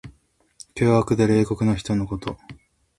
凶悪で冷酷な人のこと。